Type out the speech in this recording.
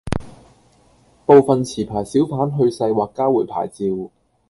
部分持牌小販去世或交回牌照